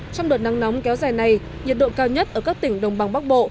trong đợt nắng nóng kéo dài này nhiệt độ cao nhất ở các tỉnh đồng bằng bắc bộ